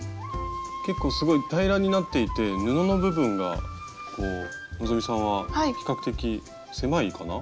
結構すごい平らになっていて布の部分が希さんは比較的狭いかな。